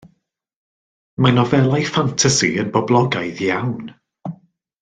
Mae nofelau ffantasi yn boblogaidd iawn.